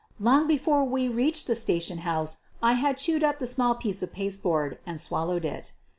Long before we reached the station house I had chewed up the small piece of pasteboard and swallowed it.